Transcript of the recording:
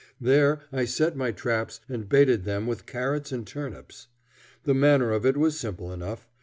There I set my traps and baited them with carrots and turnips. The manner of it was simple enough.